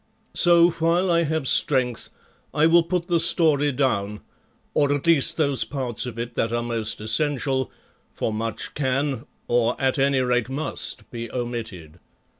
So while I have strength I will put the story down, or at least those parts of it that are most essential, for much can, or at any rate must, be omitted.